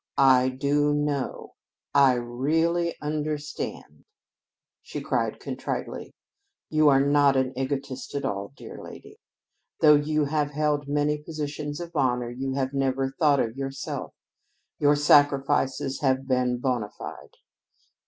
"I do know I really understand," she cried contritely. "You are not an egotist at all, dear lady. Though you have held many positions of honor, you have never thought of yourself. Your sacrifices have been bona fide.